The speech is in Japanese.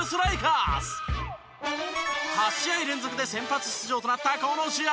８試合連続で先発出場となったこの試合。